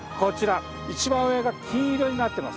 一番上が金色になってます。